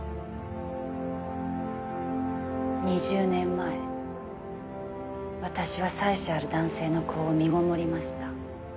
２０年前私は妻子ある男性の子を身ごもりました。